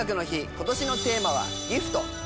今年のテーマは「ＧＩＦＴギフト」